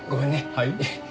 はい？